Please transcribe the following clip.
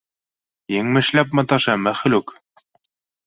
Еңмешләнеп маташа, мәхлүк!